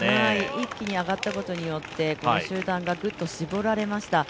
一気に上がったことによって、集団がぐっと絞られました。